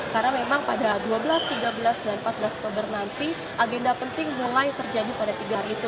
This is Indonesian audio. karena memang pada dua belas tiga belas dan empat belas oktober nanti agenda penting mulai terjadi pada tiga hari itu